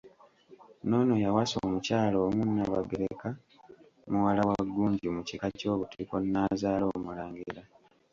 N'ono yawasa omukyala omu Nnaabagereka muwala wa Ggunju mu kika ky'Obutiko, n'azaala omulangira.